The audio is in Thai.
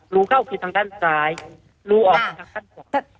รูเข้าคือทางด้านซ้ายรูออกไปทางด้านขวา